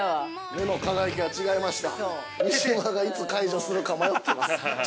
◆目の輝きが違いました。